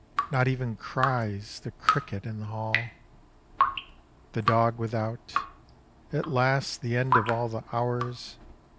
Not even cries The cricket in the hall, The dog without. At last The end of all the hours.